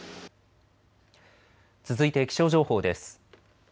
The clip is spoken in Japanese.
続いて気象情報です。